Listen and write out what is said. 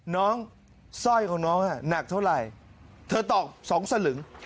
สร้อยของน้องหนักเท่าไหร่เธอตอก๒สลึง